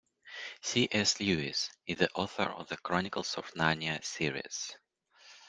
C.S. Lewis is the author of The Chronicles of Narnia series.